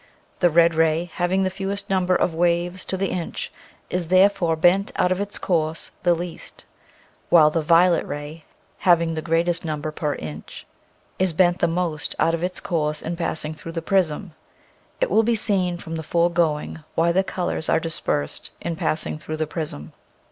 The red ray, having the fewest number of waves to the inch, is therefore bent out of its course the least, while the violet ray, having the greatest number per inch, is bent the most out of its , i . Original from UNIVERSITY OF WISCONSIN Color* 183 course in passing through the prism. It will be seen from the foregoing why the colors are dispersed in passing through the prism.